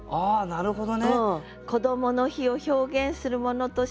なるほど。